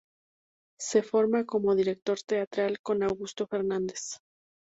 Se forma como director teatral con Augusto Fernandes.